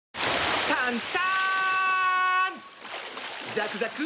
ザクザク！